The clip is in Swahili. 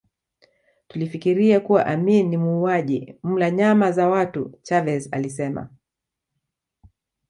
Tulifikiria kuwa Amin ni muuaji mla nyama za watu Chavez alisema